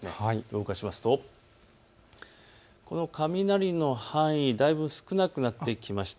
動かしますと、この雷の範囲、だいぶ少なくなってきました。